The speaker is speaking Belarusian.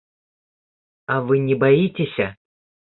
А вы не баіцеся?